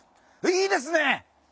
いいですね！